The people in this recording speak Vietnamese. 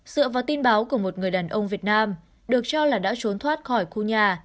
dựa vào tin báo của một người đàn ông việt nam được cho là đã trốn thoát khỏi khu nhà